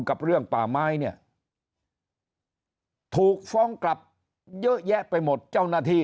กับเรื่องป่าไม้เนี่ยถูกฟ้องกลับเยอะแยะไปหมดเจ้าหน้าที่